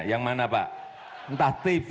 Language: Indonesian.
yang mana pak entah tv